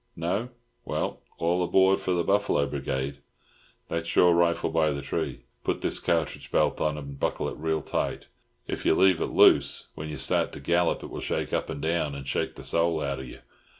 No? Well, all aboard for the Buffalo Brigade! That's your rifle by the tree. Put this cartridge belt on and buckle it real tight; if you leave it loose, when you start to gallop it will shake up and down, and shake the soul out of you.